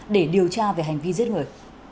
để điều tra về hành vi giết người